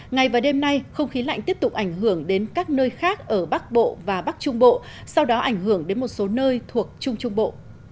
ngày và đêm nay không khí lạnh tiếp tục ảnh hưởng đến các nơi khác ở bắc bộ và bắc trung bộ sau đó ảnh hưởng đến một số nơi thuộc trung trung bộ